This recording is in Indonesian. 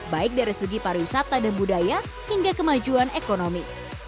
baik dari segi pariwisata dan budaya hingga kemajuan ekonomi